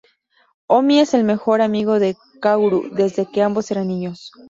Omi es el mejor amigo de Kaoru desde que ambos eran niños.